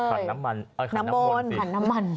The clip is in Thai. ขันน้ำมันน่ะขันน้ำม้น